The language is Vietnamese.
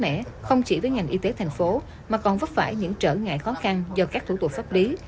trẻ không chỉ với ngành y tế thành phố mà còn vấp phải những trở ngại khó khăn do các thủ tục pháp lý